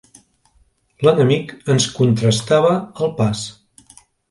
L'enemic ens contrastava el pas.